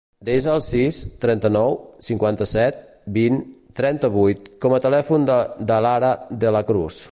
Desa el sis, trenta-nou, cinquanta-set, vint, trenta-vuit com a telèfon de l'Adhara De La Cruz.